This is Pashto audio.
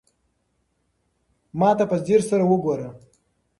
ما ته په ځير سره وگوره.